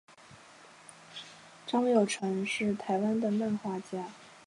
张友诚是台湾的漫画家。